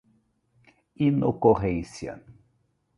inocorrência